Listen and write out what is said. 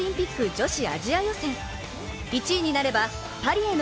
女子アジア予選。